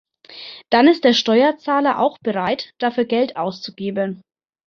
Dann ist der Steuerzahler auch bereit, dafür Geld auszugeben.